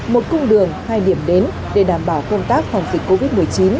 một cung đường hai điểm đến để đảm bảo công tác phòng dịch covid một mươi chín